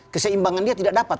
keseimbangan dia tidak dapat